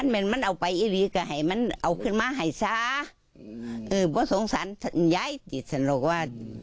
ใจมีเช่นนั้นเอาขึ้นมาให้ซะ